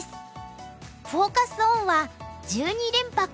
フォーカス・オンは「１２連覇か！？